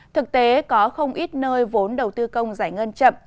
thực tế có không ít nơi vốn đầu tư công giải ngân chậm